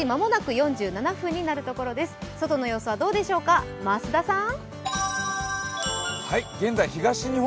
外の様子はどうでしょうか、増田さん。